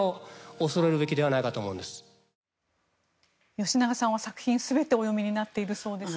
吉永さんは作品全てをお読みになっているそうですね。